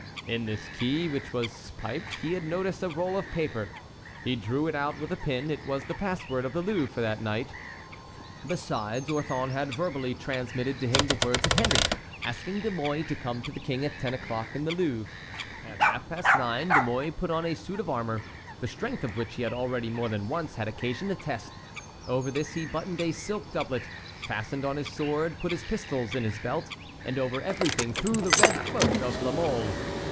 In this key, which was piped, he had noticed a roll of paper. He drew it out with a pin. It was the password of the Louvre for that night. Besides, Orthon had verbally transmitted to him the words of Henry, asking De Mouy to come to the king at ten o'clock in the Louvre. At half past nine De Mouy put on a suit of armor, the strength of which he had already more than once had occasion to test; over this he buttoned a silk doublet, fastened on his sword, put his pistols in his belt, and over everything threw the red cloak of La Mole.